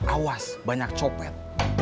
awas banyak copet